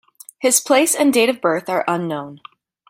His place and date of birth are unknown.